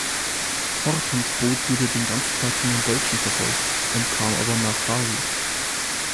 Hortons Boot wurde den ganzen Tag von den Deutschen verfolgt, entkam aber nach Harwich.